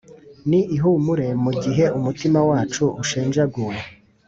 ni ihumure mu gihe umutima wacu ushenjaguwe